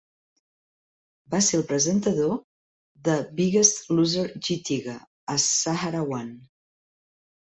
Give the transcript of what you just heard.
Va ser el presentador de "Biggest Loser Jeetega" a Sahara One.